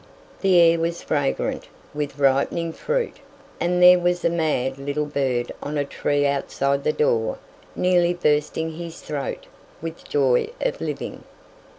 The air was fragrant with ripening fruit, and there was a mad little bird on a tree outside the door nearly bursting his throat with joy of living.